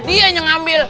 dia yang ambil